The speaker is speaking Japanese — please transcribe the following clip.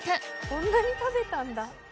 こんなに食べたんだ。